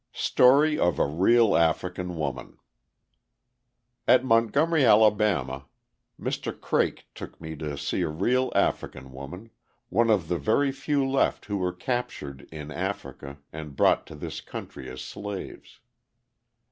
Story of a Real African Woman At Montgomery, Ala., Mr. Craik took me to see a real African woman, one of the very few left who were captured in Africa and brought to this country as slaves.